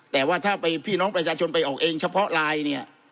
แต่ว่าถ้าไปพี่น้องประชาชนไปออกเองเฉพาะไลน์เนี่ย